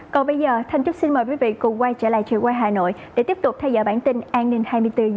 còn bây giờ thanh trúc xin mời quý vị cùng quay trở lại trường quay hà nội để tiếp tục theo dõi bản tin an ninh hai mươi bốn h